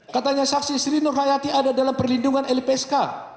katanya saksi sri nur hayati ada dalam perlindungan lpsk